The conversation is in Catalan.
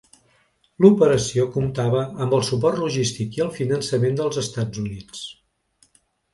L'operació comptava amb el suport logístic i el finançament dels Estats Units.